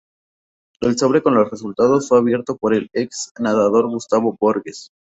El sobre con los resultados fue abierto por el ex nadador Gustavo Borges.